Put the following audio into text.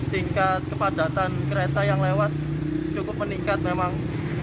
tingkat kepadatan kereta yang lewat cukup meningkat memang